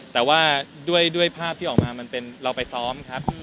แต่ว่าด้วยภาพที่ออกมามันเป็นเราไปซ้อมครับ